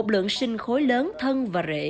một lượng sinh khối lớn thân và rễ